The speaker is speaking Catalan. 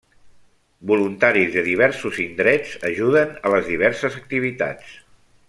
Voluntaris de diversos indrets ajuden a les diverses activitats.